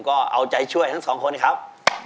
ก็เอาใจช่วยทั้งสองคนครับ